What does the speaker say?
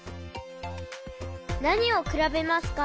なにをくらべますか？